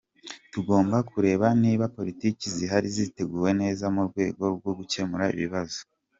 Tugomba kureba niba politiki zihari ziteguwe neza mu rwego rwo gukemura ikibazo.